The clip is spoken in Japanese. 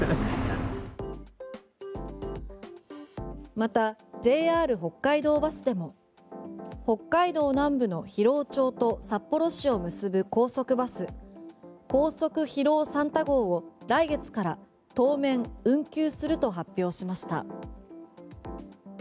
またジェイ・アール北海道バスでも北海道南部の広尾町と札幌市を結ぶ高速バス高速ひろおサンタ号を来月から当面運休すると発表しました。